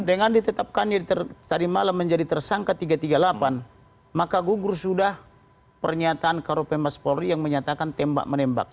dengan ditetapkannya tadi malam menjadi tersangka tiga ratus tiga puluh delapan maka gugur sudah pernyataan karope mas polri yang menyatakan tembak menembak